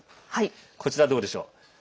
こちら、どうでしょう。